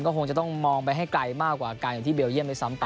ก็คงจะต้องมองไปให้ไกลมากกว่าการอย่างที่เบลเยี่ยมด้วยซ้ำไป